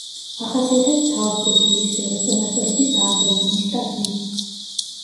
ახასიათებს თავბრუ, გულისრევა, წონასწორობის დარღვევა, ნისტაგმი.